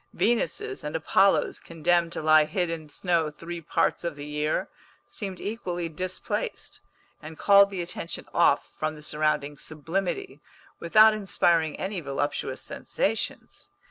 Venuses and Apollos condemned to lie hid in snow three parts of the year seemed equally displaced, and called the attention off from the surrounding sublimity, without inspiring any voluptuous sensations.